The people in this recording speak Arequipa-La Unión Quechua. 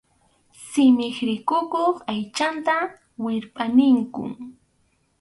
Simip rikukuq aychanta wirpʼa ninkum.